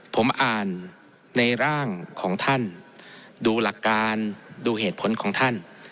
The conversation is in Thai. ผมอ่านในร่างของท่านดูหลักการดูเหตุผลของท่าน